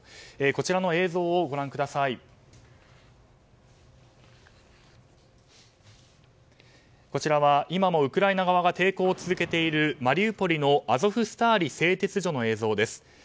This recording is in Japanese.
こちらは今もウクライナ側が抵抗を続けているマリウポリのアゾフスターリ製鉄所の映像です。